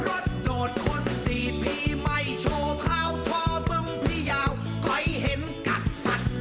รถโดดคนดีพี่ไม่โชว์พาวทอมึงพี่ยาวก๋อยเห็นกัดฝัน